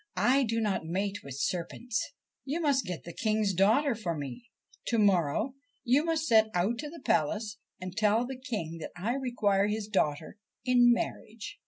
' I do not mate with serpents. You must get the King's daughter for me. To morrow you must set out to the palace, and tell the King that I require his daughter in marriage.'